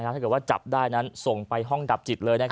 ถ้าเกิดว่าจับได้นั้นส่งไปห้องดับจิตเลย